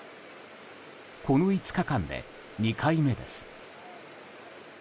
この５日間で２回目です。